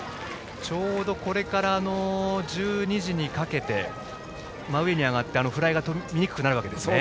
これから１２時にかけて真上に上がって、フライがとりにくくなるわけですね。